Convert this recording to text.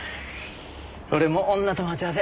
俺も女と待ち合わせ。